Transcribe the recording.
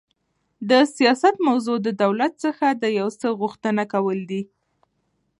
د سیاست موضوع د دولت څخه د یو څه غوښتنه کول دي.